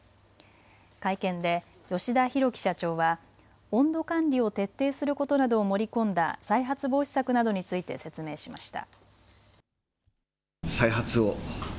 会見で吉田広城社長は温度管理を徹底することなどを盛り込んだ再発防止策などについて説明しました。